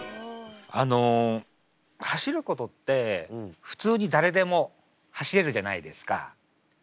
あの走ることって普通に誰でも走れるじゃないですか。